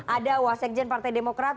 ada wasikjen partai demokrat